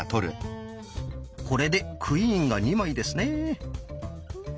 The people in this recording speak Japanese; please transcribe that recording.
これで「クイーン」が２枚ですね。